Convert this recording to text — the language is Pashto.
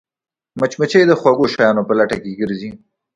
مچمچۍ د خوږو شیانو په لټه کې ګرځي